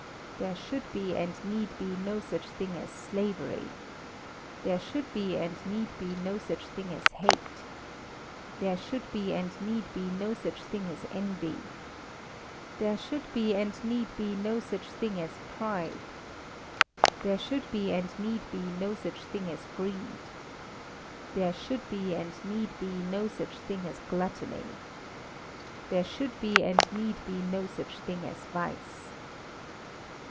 There should be and need be no such thing as slavery. There should be and need be no such thing as hate. There should be and need be no such thing as envy. There should be and need be no such thing as pride. There should be and need be no such thing as greed. There should be and need be no such thing as gluttony. There should be and need be no such thing as vice.